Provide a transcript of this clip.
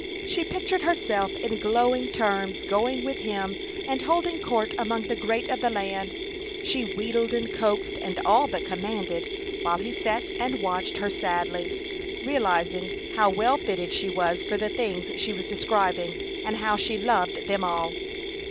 She pictured herself in glowing terms going with him and holding court among the great of the land! She wheedled and coaxed and all but commanded, while he sat and watched her sadly, realizing how well fitted she was for the things she was describing and how she loved them all!